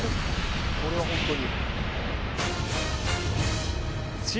これは本当に。